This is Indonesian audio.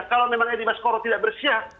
kalau memang dibaskoro tidak bersia